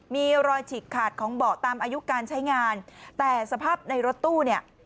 มีรอยฉีกขาดของเบาะตามอายุการใช้งานแต่สภาพในรถตู้เนี่ย